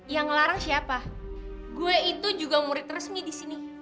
yang larang siapa gue itu juga murid resmi di sini